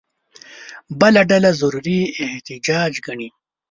بله ډله ضروري احتیاج ګڼي.